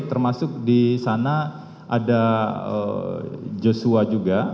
termasuk disana ada joshua juga